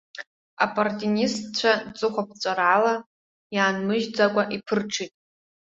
Аппортунистцәа ҵыхәа ԥҵәарала иаанмыжьӡакәа иԥырҽит.